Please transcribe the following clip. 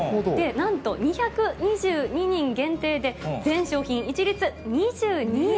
なんと２２２人限定で、全商品一律２２円。